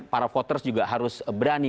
para voters juga harus berani